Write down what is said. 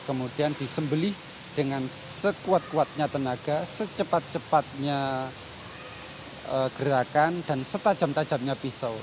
kemudian disembeli dengan sekuat kuatnya tenaga secepat cepatnya gerakan dan setajam tajamnya pisau